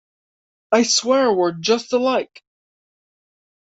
I swear we're just alike!